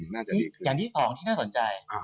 อย่าง๒จริงเราสนใจ